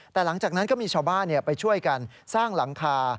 แต่หลังจากนั้นก็มีชาวบ้านไปช่วยกันสร้างหลังคา